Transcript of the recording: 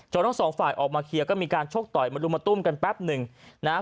ทั้งสองฝ่ายออกมาเคลียร์ก็มีการชกต่อยมารุมมาตุ้มกันแป๊บหนึ่งนะฮะ